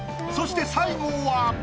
そして最後は。